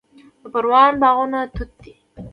د پروان باغونه توت دي